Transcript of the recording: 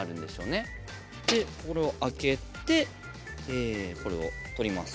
でこれを開けてこれを取ります。